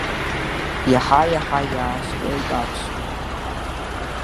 Иаҳа-иаҳа иааскьоит аԥсуаа.